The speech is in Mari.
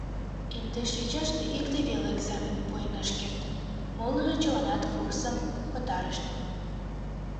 Индеш йочаште икте веле экзаменым пуэн ыш керт, молыжо чыланат курсым пытарышт.